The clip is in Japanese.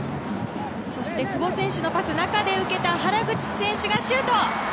そして、久保選手のパスを中で受けた原口選手がシュート！